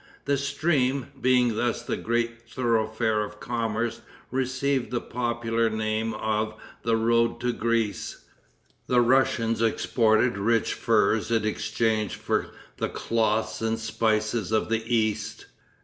The stream, being thus the great thoroughfare of commerce, received the popular name of The Road to Greece. The Russians exported rich furs in exchange for the cloths and spices of the East.